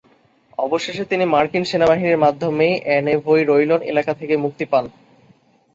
অবশেষে তিনি মার্কিন সেনাবাহিনীর মাধ্যমে অ্যানেভোই-রোইলন এলাকা থেকে মুক্তি পান।